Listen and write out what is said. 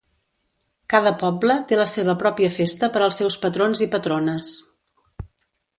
Cada poble té la seva pròpia festa per als seus patrons i patrones.